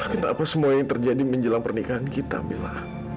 kenapa semua ini terjadi menjelang pernikahan kita mila